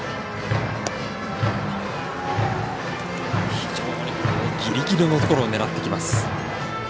非常にぎりぎりのところを狙ってきます。